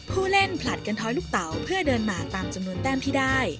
ผู้เล่นผลัดกันท้อยลูกเต๋าเพื่อเดินหมาตามจำนวนแต้มที่ได้